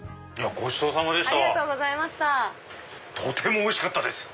ごちそうさまでした。